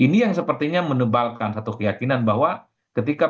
ini yang sepertinya menebalkan satu keyakinan bahwa p tiga ini akan menjadi pemenang p tiga